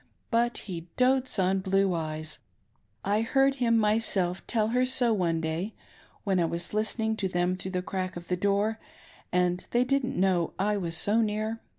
But he dotes on blue eyes ; I heard him myself tell her so one day, when I was listening to them through the crack of the door, and they didn't know I was so near.